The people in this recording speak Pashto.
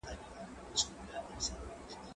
زه کتابتون ته نه ځم؟!